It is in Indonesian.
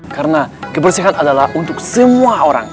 karena kebersihan adalah untuk semua orang